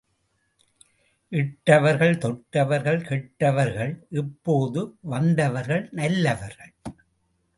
இட்டவர்கள் தொட்டவர்கள் கெட்டவர்கள் இப்போது வந்தவர்கள் நல்லவர்கள்.